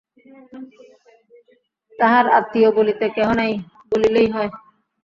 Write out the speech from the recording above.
তাহার আত্মীয় বলিতে কেহ নাই বলিলেই হয়।